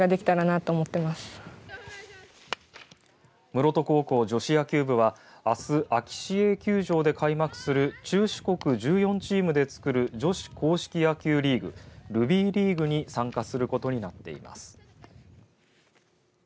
室戸高校女子野球部はあす、安芸市営球場で開幕する中四国１４チームで作る女子硬式野球リーグルビーリーグに参加することになっています。